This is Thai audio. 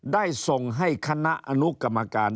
ได้ส่งให้คณะอนุกรรมการ